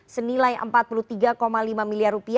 senilai rp empat puluh tiga lima miliar